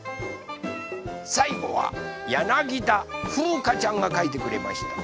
さいごはやなぎだふうかちゃんがかいてくれました。